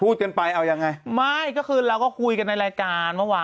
พูดกันไปเอายังไงไม่ก็คือเราก็คุยกันในรายการเมื่อวาน